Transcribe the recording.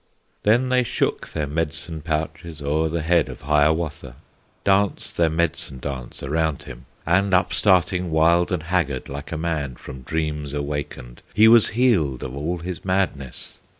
Then they shook their medicine pouches O'er the head of Hiawatha, Danced their medicine dance around him; And upstarting wild and haggard, Like a man from dreams awakened, He was healed of all his madness.